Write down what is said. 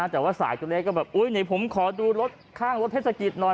แต่ว่าสายก็เล็กก็แบบอุ๊ยนี่ผมขอดูรถข้างรถเทศกิตน้อย